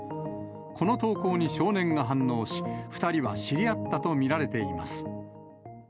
この投稿に少年が反応し、２人は知り合ったと見られています。